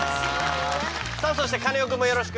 さあそしてカネオくんもよろしく。